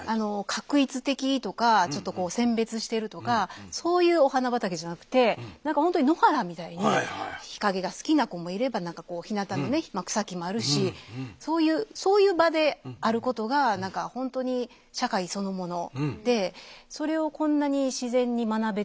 画一的とかちょっと選別してるとかそういうお花畑じゃなくて何か本当に野原みたいに日陰が好きな子もいればひなたのね草木もあるしそういう場であることが何か本当に社会そのものでそれをこんなに自然に学べてる。